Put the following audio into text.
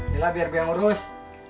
lila biar biar urus